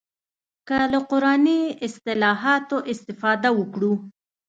که له قراني اصطلاحاتو استفاده وکړو.